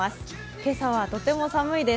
今朝はとても寒いです。